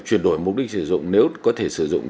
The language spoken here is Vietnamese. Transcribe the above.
chuyển đổi mục đích sử dụng nếu có thể sử dụng